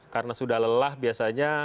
karena sudah lelah biasanya